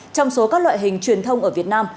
trong số các loại hình truyền thông ở việt nam